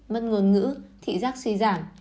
mất ngôn ngữ thị giác suy giảm